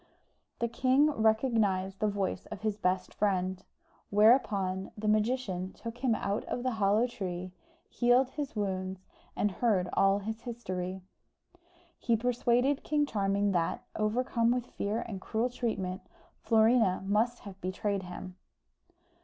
The king recognised the voice of his best friend: whereupon the magician took him out of the hollow tree, healed his wounds, and heard all his history. He persuaded King Charming that, overcome with fear and cruel treatment, Florina must have betrayed him.